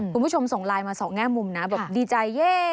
คุณผู้ชมส่งไลน์มาสองแง่มุมนะบอกดีใจเย่